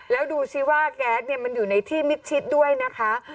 แล้วดูสิว่าแก๊สมันอยู่ในที่มิดชิดด้วยนะคะ